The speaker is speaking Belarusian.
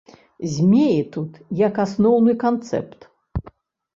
Змеі тут як асноўны канцэпт.